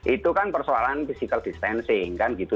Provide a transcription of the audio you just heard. itu kan persoalan physical distancing kan gitu